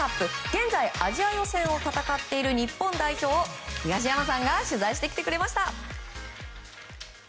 現在、アジア予選を戦っている日本代表を東山さんが取材してきてくれました。